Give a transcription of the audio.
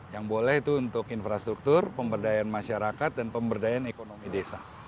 yang boleh itu untuk infrastruktur pemberdayaan masyarakat dan pemberdayaan ekonomi desa